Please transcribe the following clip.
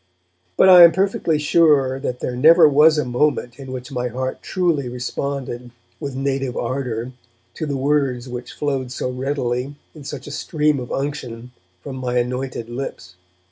But I am perfectly sure that there never was a moment in which my heart truly responded, with native ardour, to the words which flowed so readily, in such a stream of unction, from my anointed lips.